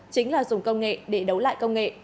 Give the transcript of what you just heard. chính là dùng công nghệ để đấu lại công nghệ